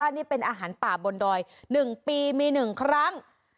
อันนี้เป็นอาหารป่าบนดอยหนึ่งปีมีหนึ่งครั้ง